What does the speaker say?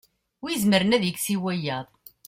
wi izemren ad ikkes i wiyaḍ